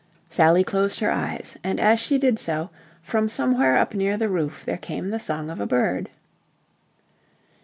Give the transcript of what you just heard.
Sally closed her eyes, and as she did so from somewhere up near the roof there came the song of a bird.